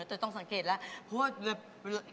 เออต้องสังเกตฝั่งเพราะว่า